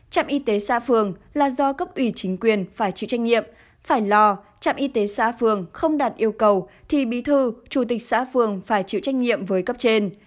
trạm y tế xã phường là do cấp ủy chính quyền phải chịu trách nhiệm phải lò trạm y tế xã phường không đạt yêu cầu thì bí thư chủ tịch xã phường phải chịu trách nhiệm với cấp trên